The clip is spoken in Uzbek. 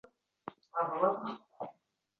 Oilaviy ajralishlar sabablarini tahlil qilamiz.